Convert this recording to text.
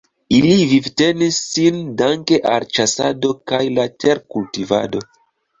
Ili vivtenis sin danke al ĉasado kaj la terkultivado.